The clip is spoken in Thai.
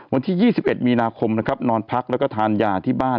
วันที่๒๑มีนาคมนะครับนอนพักแล้วก็ทานยาที่บ้าน